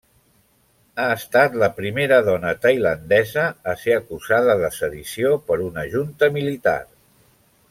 Ha estat la primera dona tailandesa a ser acusada de sedició per una junta militar.